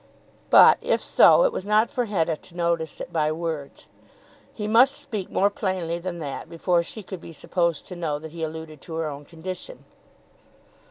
But, if so, it was not for Hetta to notice it by words. He must speak more plainly than that before she could be supposed to know that he alluded to her own condition.